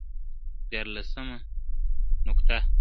ديارلسمه نکته.